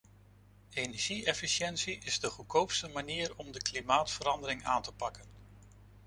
Energie-efficiëntie is de goedkoopste manier om de klimaatverandering aan te pakken.